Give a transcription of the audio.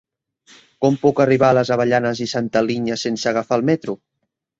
Com puc arribar a les Avellanes i Santa Linya sense agafar el metro?